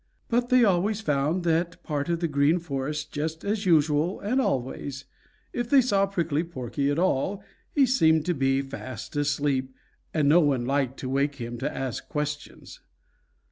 But they always found that part of the Green Forest just as usual and always, if they saw Prickly Porky at all, he seemed to be fast asleep, and no one liked to wake him to ask questions.